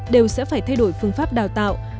đều sẽ phải thay đổi phương pháp đào tạo